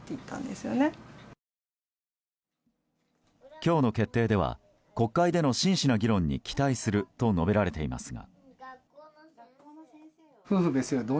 今日の決定では国会での真摯な議論に期待すると述べられていますが。